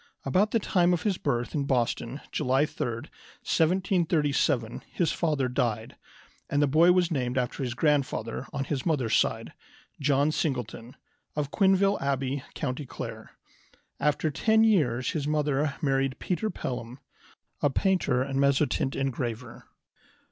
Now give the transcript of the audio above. About the time of his birth in Boston, July 3, 1737, his father died, and the boy was named after his grandfather on his mother's side, John Singleton of Quinville Abbey, County Clare. After ten years his mother married Peter Pelham, a painter and mezzotint engraver.